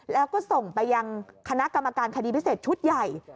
แล้วก็ส่งไปยังคณะกรรมการคดีพิเศษชุดใหญ่